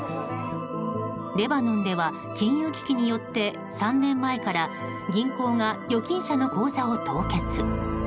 レバノンでは金融危機によって３年前から銀行が預金者の口座を凍結。